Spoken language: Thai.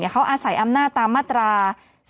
เขาอาศัยอำนาจตามมาตรา๒๕๖